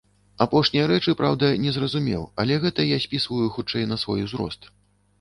Апошнія рэчы, праўда, не зразумеў, але гэта я спісваю хутчэй на свой узрост.